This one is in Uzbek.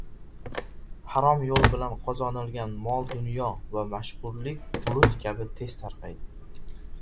• Harom yo‘l bilan qozonilgan mol-dunyo va mashhurlik bulut kabi tez tarqaydi.